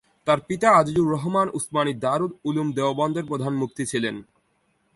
তার পিতা আজিজুর রহমান উসমানি দারুল উলুম দেওবন্দের প্রধান মুফতি ছিলেন।